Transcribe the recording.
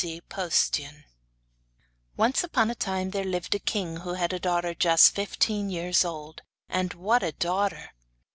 C. Poestion.] The White Slipper Once upon a time there lived a king who had a daughter just fifteen years old. And what a daughter!